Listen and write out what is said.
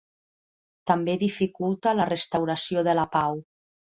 També dificulta la restauració de la pau.